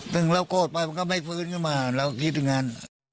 ถึงเรากลดไปมันก็ไม่ฟื้นขึ้นมาเราก็กิจจึงอัน